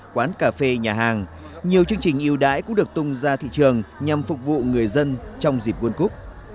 quán cà phê nhà hàng nhiều chương trình yêu đái cũng được tung ra thị trường nhằm phục vụ người dân trong dịp worl cúc